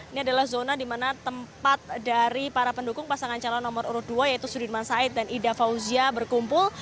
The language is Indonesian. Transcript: ini adalah zona di mana tempat dari para pendukung pasangan calon nomor urut dua yaitu sudirman said dan ida fauzia berkumpul